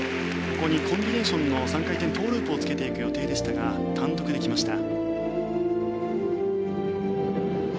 ここにコンビネーションの３回転トウループをつけていく予定でしたが単独で来ました。